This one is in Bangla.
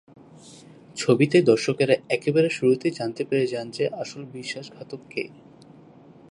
ছবিতে দর্শকেরা একেবারে শুরুতেই জানতে পেরে যান যে আসল বিশ্বাসঘাতক কে।